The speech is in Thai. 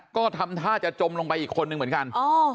ก็ทำท่าจะจมลงไปอีกคนนึงเหมือนกัน